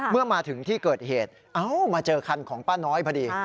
เมื่อมาถึงที่เกิดเหตุเอ้ามาเจอคันของป้าน้อยพอดี